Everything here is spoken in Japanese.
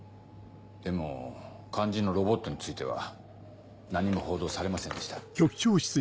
でも肝心のロボットについては何も報道されませんでした。